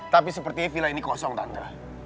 tapi sepertinya villa ini kosong tanda